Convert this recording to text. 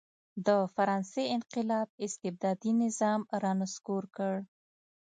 د فرانسې انقلاب استبدادي نظام را نسکور کړ.